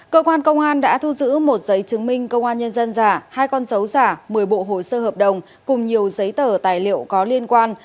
cơ quan công an đã thu giữ một giấy chứng minh công an nhân dân giả hai con dấu giả một mươi bộ hồ sơ hợp đồng cùng nhiều giấy tờ tài liệu có liên quan